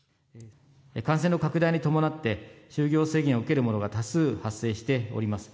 感染の拡大に伴って、就業制限を受ける者が多数発生しております。